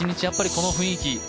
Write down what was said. やっぱりこの雰囲気